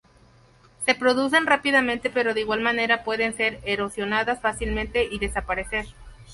Se producen rápidamente pero de igual manera pueden ser erosionadas fácilmente y desaparecer.